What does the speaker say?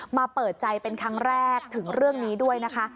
เปิดใจเป็นครั้งแรกถึงเรื่องนี้ด้วยนะคะ